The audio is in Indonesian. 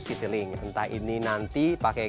citylink entah ini nanti pakai